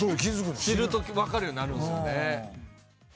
知ると分かるようになるんですよね。